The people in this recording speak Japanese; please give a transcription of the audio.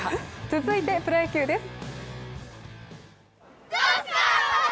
続いて、プロ野球です。